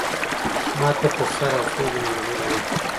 ما ته په سر اوسترګو منظور وه .